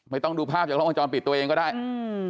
ไม่ต้องดูภาพจากโรงพยาบาลปิดตัวเองก็ได้อืม